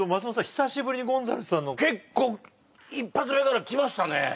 久しぶりにゴンザレスさんの結構一発目からきましたね